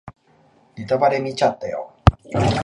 ネタバレ見ちゃったよ